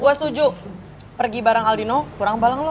gue setuju pergi bareng aldino kurang bareng loh